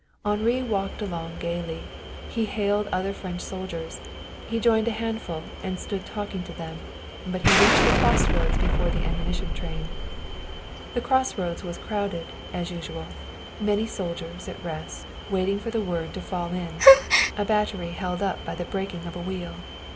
Henri walked along gayly. He hailed other French soldiers. He joined a handful and stood talking to them. But he reached the crossroads before the ammunition train. The crossroads was crowded, as usual many soldiers, at rest, waiting for the word to fall in, a battery held up by the breaking of a wheel.